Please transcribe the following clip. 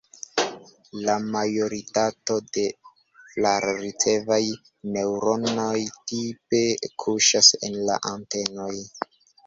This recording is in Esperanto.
La majoritato de flar-ricevaj neŭronoj tipe kuŝas en la antenoj.